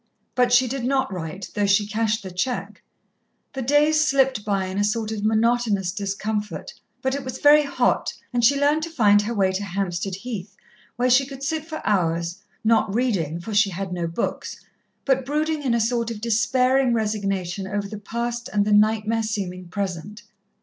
But she did not write, though she cashed the cheque. The days slipped by in a sort of monotonous discomfort, but it was very hot, and she learnt to find her way to Hampstead Heath, where she could sit for hours, not reading, for she had no books, but brooding in a sort of despairing resignation over the past and the nightmare seeming present.